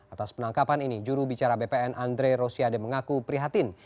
atas penangkapan ini jurubicara bpn andre rosiade mengaku prihatin